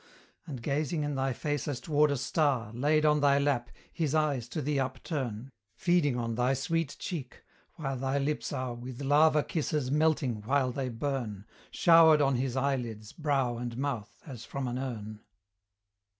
And gazing in thy face as toward a star, Laid on thy lap, his eyes to thee upturn, Feeding on thy sweet cheek! while thy lips are With lava kisses melting while they burn, Showered on his eyelids, brow, and mouth, as from an urn!